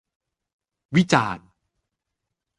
วิจารณ์